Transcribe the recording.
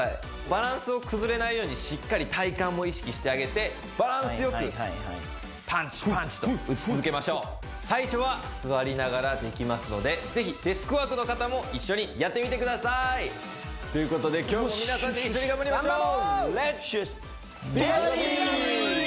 バランスを崩れないようにしっかり体幹も意識してあげてバランスよくパンチパンチと打ち続けましょう最初は座りながらできますのでぜひデスクワークの方も一緒にやってみてください！ということで今日も皆さんで一緒に頑張りましょう頑張ろう！